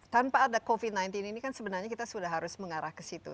tanpa ada covid sembilan belas ini kan sebenarnya kita sudah harus mengarah ke situ